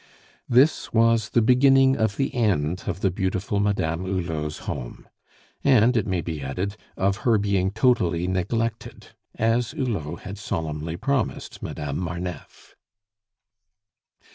This was the beginning of the end of the beautiful Madame Hulot's home; and, it may be added, of her being totally neglected, as Hulot had solemnly promised Madame Marneffe.